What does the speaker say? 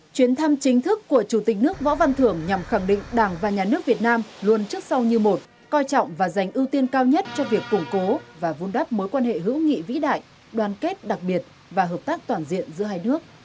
chuyến thăm chính thức của chủ tịch nước võ văn thưởng nhằm khẳng định đảng và nhà nước việt nam luôn trước sau như một coi trọng và dành ưu tiên cao nhất cho việc củng cố và vun đắp mối quan hệ hữu nghị vĩ đại đoàn kết đặc biệt và hợp tác toàn diện giữa hai nước